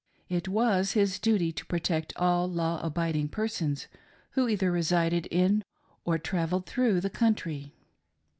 It was his duty to protect all law abiding persons who either resided in or travelled through the country.